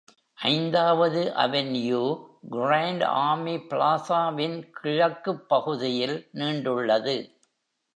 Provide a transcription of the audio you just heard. ஐந்தாவது avenue Grand Army Plaza-வின் கிழக்குப் பகுதியில் நீண்டுள்ளது.